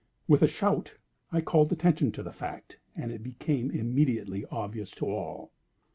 With a shout I called attention to the fact, and it became immediately obvious to all.